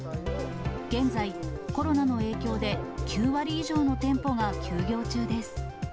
現在、コロナの影響で９割以上の店舗が休業中です。